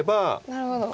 なるほど。